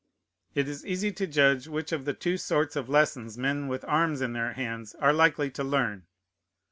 It is easy to judge which of the two sorts of lessons men with arms in their hands are likely to learn.